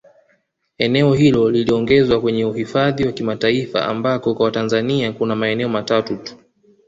Eneo hilo liliongezwa kwenye uhidhafi wa kimataifa ambako kwa Tanzania kuna maeneo matatu tu